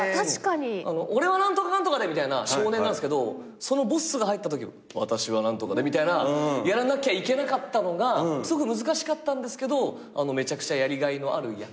「俺は何とかかんとかで」みたいな少年なんすけどそのボッスが入ったとき「私は何とかで」みたいなやらなきゃいけなかったのがすごく難しかったんですけどめちゃくちゃやりがいのある役で。